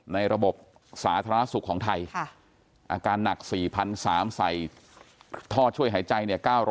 ระบบสาธารณสุขของไทยอาการหนัก๔๓๐๐ใส่ท่อช่วยหายใจเนี่ย